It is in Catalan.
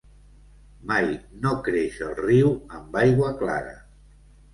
Mai no creix el riu amb aigua clara.